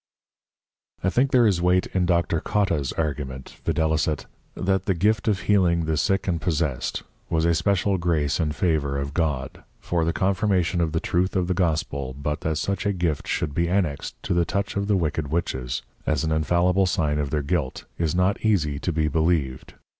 I think there is weight in Dr. Cotta's Argument, viz. _That the Gift of healing the Sick and Possessed, was a special Grace and Favour of God, for the Confirmation of the Truth of the Gospel, but that such a Gift should be annexed to the Touch of Wicked Witches, as an infallible sign of their guilt, is not easie to be believed.